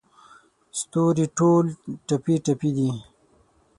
ستوري ټول ټپې، ټپي دی